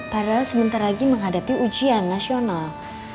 padahal sebentar lagi menghadapi ujian nasional